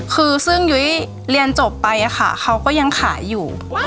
คือซึ่งยุ้ยเรียนจบไปค่ะเขาก็ยังขายอยู่